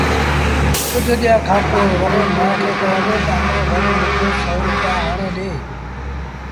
ڪجھ ڏيݩهآݩ کآݩ پو وري مآ کي ڪهيآݩدي تا امآݩ وري موݩ کي سو روپيآ آڻي ڏي